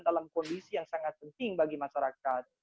dalam kondisi yang sangat penting bagi masyarakat